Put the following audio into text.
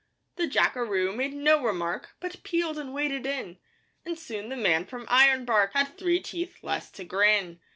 The Jackaroo made no remark But peeled and waded in, And soon the Man from Ironbark Had three teeth less to grin!